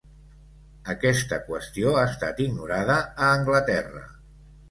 Aquesta qüestió ha estat ignorada a Anglaterra.